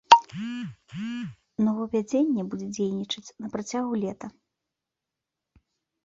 Новаўвядзенне будзе дзейнічаць на працягу лета.